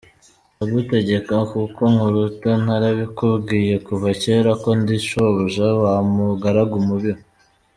Ndagutegeka kuko nkuruta, narabikubwiye kuva cyera ko ndi shobuja wa mugaragu mubi we!